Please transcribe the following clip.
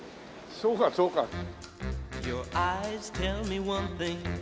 そうかそうか。